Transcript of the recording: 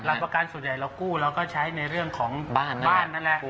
ประกันส่วนใหญ่เรากู้เราก็ใช้ในเรื่องของบ้านนั่นแหละ